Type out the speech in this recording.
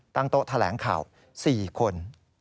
ตั้งโต๊ะแถลงข่าว๔คน